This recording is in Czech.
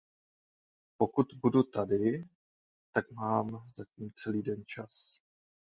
Pokud budu tady, tak mám zatím celý den čas.